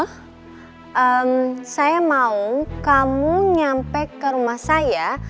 oh saya mau kamu nyampe ke rumah saya